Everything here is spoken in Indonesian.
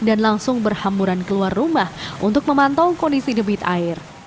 dan langsung berhamburan keluar rumah untuk memantau kondisi debit air